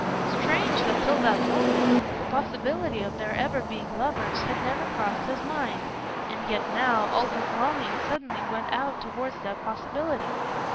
Strange, that till that moment the possibility of their ever being lovers had never crossed his mind, and yet now, all his longing suddenly went out towards that possibility.